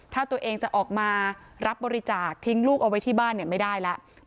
ถ้าตัวเองจะออกมารับบริจาคทิ้งลูกเอาไว้ที่บ้านไม่ได้แล้ว